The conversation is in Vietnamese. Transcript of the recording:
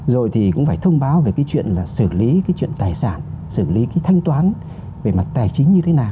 rồi thì cũng phải thông báo về cái chuyện là xử lý cái chuyện tài sản xử lý cái thanh toán về mặt tài chính như thế nào